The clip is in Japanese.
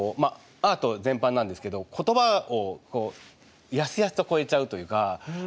アート全般なんですけど言葉をやすやすとこえちゃうというか。